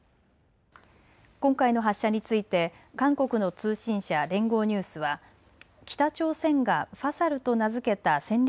今回の発射について韓国の通信社、連合ニュースは北朝鮮がファサルと名付けた戦略